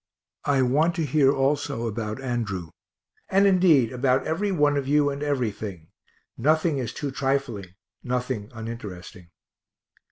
I want to hear also about Andrew, and indeed about every one of you and everything nothing is too trifling, nothing uninteresting.